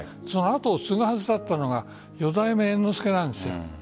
跡を継ぐはずだったのが四代目猿之助なんです。